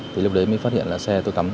thì lúc đấy mới phát hiện là xe tôi cắm